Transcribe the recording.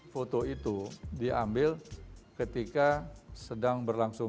foto itu diambil ketika sedang berlangsung